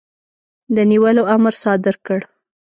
د نیولو امر صادر کړ.